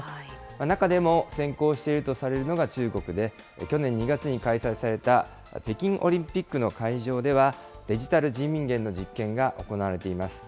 中でも先行しているとされるのが中国で、去年２月に開催された、北京オリンピックの会場では、デジタル人民元の実験が行われています。